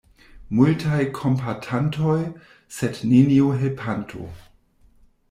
Multaj kompatantoj, sed neniu helpanto.